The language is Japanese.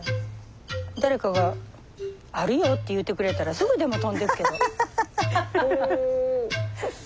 誰かがあるよって言ってくれたらすぐでも飛んでくけど。